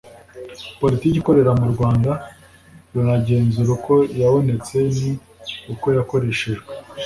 politiki ikorera mu rwanda runagenzura uko yabonetse n uko yakoreshejwe